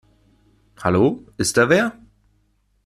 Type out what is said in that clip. Hallo, ist da wer?